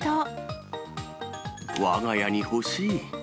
わが家に欲しい。